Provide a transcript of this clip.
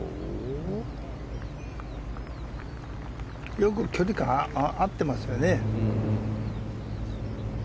よく距離感が合ってますけどね。